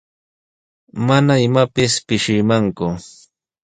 Mana imapis pishimanku.